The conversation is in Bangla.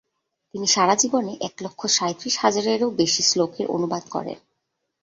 তিনি সারা জীবনে এক লক্ষ সাঁইত্রিশ হাজারেরও বেশি শ্লোকের অনুবাদ করেন।